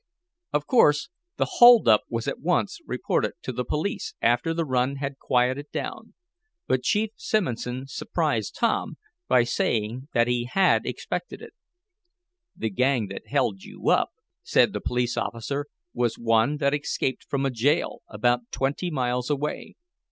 Of course the hold up was at once reported to the police after the run had quieted down, but Chief Simonson surprised Tom by saying that he had expected it. "The gang that held you up," said the police officer, "was one that escaped from a jail, about twenty miles away.